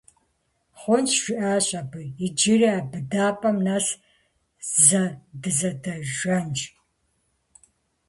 - Хъунщ, - жиӀащ абы, - иджыри а быдапӀэм нэс зэ дызэдэжэнщ!